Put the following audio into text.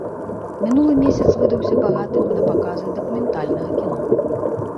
Мінулы месяц выдаўся багатым на паказы дакументальнага кіно.